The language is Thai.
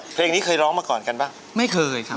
เพลงนี้ค่อยร้องมาก่อนกันรึไม้เคยครับ